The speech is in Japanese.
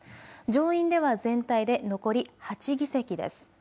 上院では全体で残り８議席です。